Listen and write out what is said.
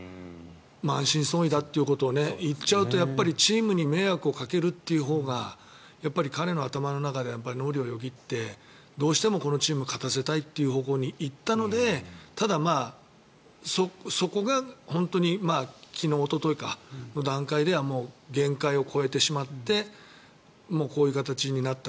満身創痍だということを言っちゃうとチームに迷惑をかけるというほうが彼の頭の中で脳裏をよぎってどうしてもこのチーム勝たせたいという方向に行ったのでただ、そこが本当に昨日、おとといの段階では限界を超えてしまってこういう形になった。